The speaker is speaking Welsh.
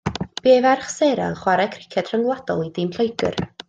Bu ei ferch Sarah yn chwarae criced rhyngwladol i dîm Lloegr.